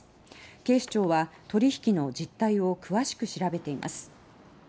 警視庁は、取引の実態を詳しく調べています。